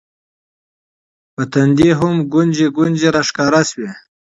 په تندي هم ګونځې ګونځې راښکاره شوې